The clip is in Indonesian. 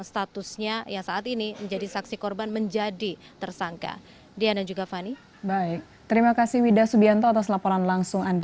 statusnya yang saat ini menjadi saksi korban menjadi tersangka